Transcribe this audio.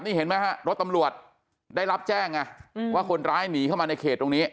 นี่เห็นไหมฮะรถตำรวจได้รับแจ้งไงว่าคนร้ายหนีเข้ามาในเขตตรงนี้